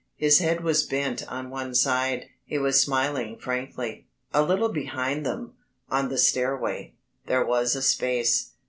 His head was bent on one side; he was smiling frankly. A little behind them, on the stairway, there was a space.